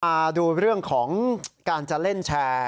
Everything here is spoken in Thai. มาดูเรื่องของการจะเล่นแชร์